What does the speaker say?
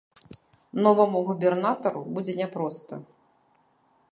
Новаму губернатару будзе няпроста.